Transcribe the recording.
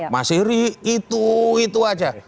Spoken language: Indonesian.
mas iri itu itu aja